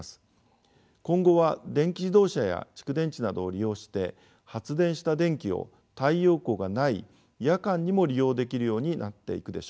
今後は電気自動車や蓄電池などを利用して発電した電気を太陽光がない夜間にも利用できるようになっていくでしょう。